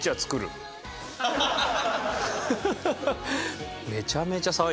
ハハハハ。